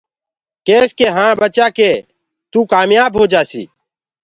ڪيس ڪي هآنٚ ٻچآ ڪي توُ ڪآميآب هوجآسيٚ۔